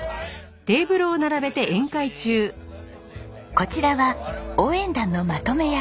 こちらは応援団のまとめ役